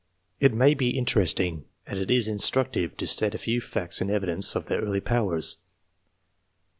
It may be interesting, and it is instructive, to state a few facts in evidence of their early powers.